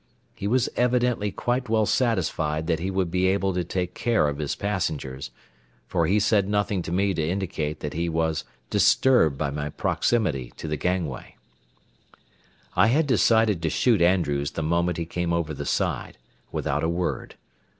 He was evidently quite well satisfied that he would be able to take care of his passengers, for he said nothing to me to indicate that he was disturbed by my proximity to the gangway. I had decided to shoot Andrews the moment he came over the side, without a word.